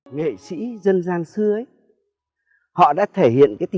nhóm thứ ba là mặt trời